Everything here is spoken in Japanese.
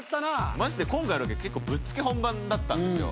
まじで今回のロケ、結構ぶっつけ本番だったんですよ。